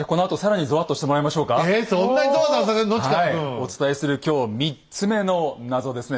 お伝えする今日３つ目の謎ですね。